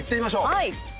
はい！